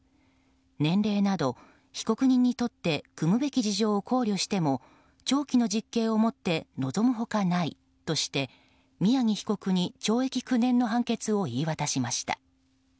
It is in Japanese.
年齢など被告人にとってくむべき事情を考慮しても長期の実刑をもって臨むほかないとして宮城被告に懲役９年の判決を言い渡しました。